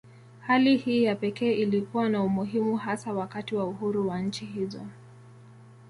Hali hii ya pekee ilikuwa na umuhimu hasa wakati wa uhuru wa nchi hizo.